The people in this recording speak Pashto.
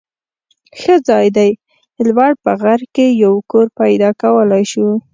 ښه ځای دی. لوړ په غر کې یو کور پیدا کولای شو.